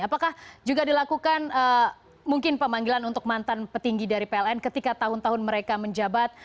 apakah juga dilakukan mungkin pemanggilan untuk mantan petinggi dari pln ketika tahun tahun mereka menjabat